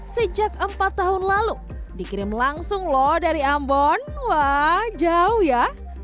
sejak empat tahun lalu dikirim langsung loh dari ambon wah jauh ya